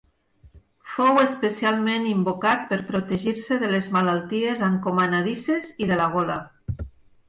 Fou especialment invocat per protegir-se de les malalties encomanadisses i de la gola.